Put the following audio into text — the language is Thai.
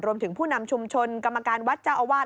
รวมถึงผู้นำชุมชนกรรมการวัตเจ้าอวาส